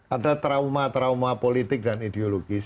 ada trauma trauma politik dan ideologis